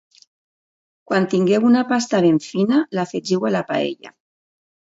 Quan tingueu una pasta ben fina, l'afegiu a la paella